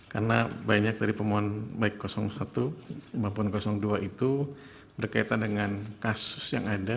karena banyak dari pemohon baik satu pemohon dua itu berkaitan dengan kasus yang ada